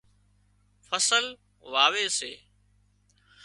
فصل واوي سي